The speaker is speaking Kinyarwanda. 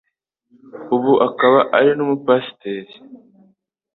ubu akaba ari n'umupasiteri